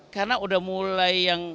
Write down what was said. karena udah mulai yang